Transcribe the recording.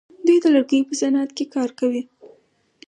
دوی د لرګیو په صنعت کې کار کوي.